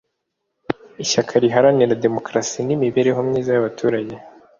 Ishyaka Riharanira Demokarasi n Imibereho Myiza y Abaturaga